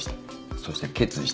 そして決意した。